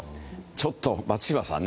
ちょっと松嶋さん